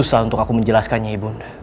susah untuk aku menjelaskannya ibu